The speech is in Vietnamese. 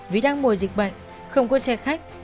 vì đang mùa dịch bệnh không có xe khách